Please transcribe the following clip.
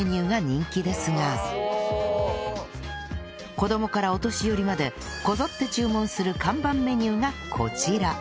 子供からお年寄りまでこぞって注文する看板メニューがこちら